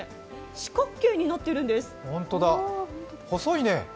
四角形になってるんです。